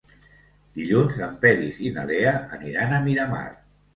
Dilluns en Peris i na Lea aniran a Miramar.